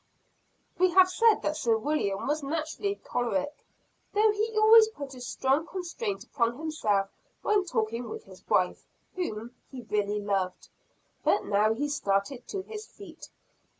We have said that Sir William was naturally choleric though he always put a strong constraint upon himself when talking with his wife, whom he really loved; but now he started to his feet.